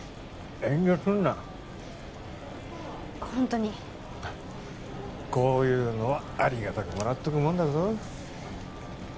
遠慮すんなホントにこういうのはありがたくもらっとくもんだぞ